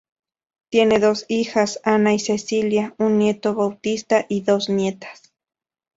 Tiene dos hijas, Ana y Cecilia, un nieto, Bautista, y dos nietas.